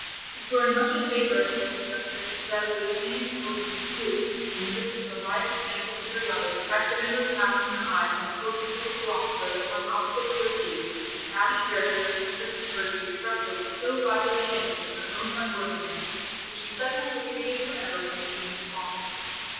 A story much in favour of portrait collectors is that of the Athenian courtesan, who, in the midst of a riotous banquet with her lovers, accidentally casting her eyes on the portrait of a philosopher that hung opposite to her seat, the happy character of temperance and virtue struck her with so lively an image of her own unworthiness, that she suddenly retreated for ever from the scene of debauchery.